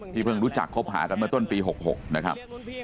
ที่เพิ่งรู้จักคบหากันต้นปี๖๖นะครับ